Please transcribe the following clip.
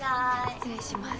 失礼します。